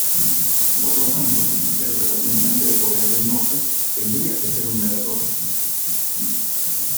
Por lo tanto, el representante de Corea del Norte tendría que ser un nadador.